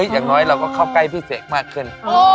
อย่างน้อยเราก็เข้าใกล้พี่เสกมากขึ้น